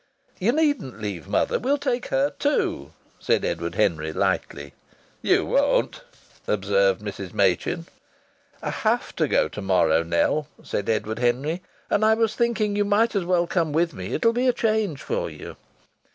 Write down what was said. "You needn't leave mother. We'll take her too," said Edward Henry, lightly. "You won't!" observed Mrs. Machin. "I have to go to morrow, Nell," said Edward Henry. "And I was thinking you might as well come with me. It will be a change for you."